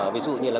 ví dụ như là